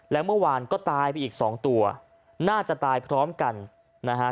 แล้วเมื่อวานก็ตายไปอีกสองตัวน่าจะตายพร้อมกันนะฮะ